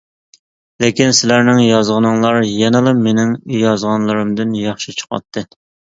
لېكىن، سىلەرنىڭ يازغىنىڭلار يەنىلا مېنىڭ يازغانلىرىمدىن ياخشى چىقاتتى.